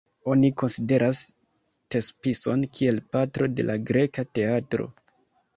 Oni konsideras Tespison kiel patro de la greka teatro.